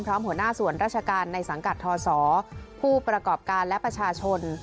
หัวหน้าส่วนราชการในสังกัดทศผู้ประกอบการและประชาชน